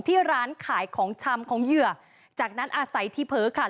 ที่ร้านขายของชำของเหยื่อจากนั้นอาศัยที่เพ้อค่ะ